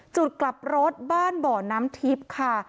จุดกลับรถบ้านบ่อน้ำทิพย์ค่ะ